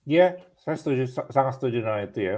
ya saya sangat setuju dengan itu ya